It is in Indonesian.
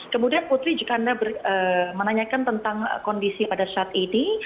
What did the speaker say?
kemudian putri jika anda menanyakan tentang kondisi pada saat ini